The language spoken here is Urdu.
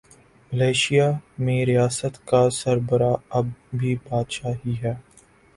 ملائشیا میں ریاست کا سربراہ اب بھی بادشاہ ہی ہے۔